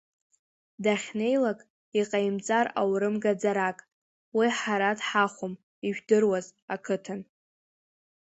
Дахьнеилак иҟаимҵар аурым гаӡарак, уи ҳара дҳахәом, ижәдыруаз, ақыҭан…